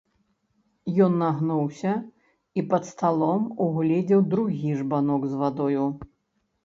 Ён нагнуўся і пад сталом угледзеў другі жбанок з вадою.